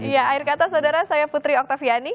ya akhir kata saudara saya putri oktaviani